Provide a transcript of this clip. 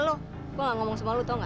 gue enggak ngomong sama lu tahu enggak